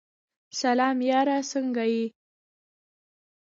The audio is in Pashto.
سلام یاره سنګه یی ؟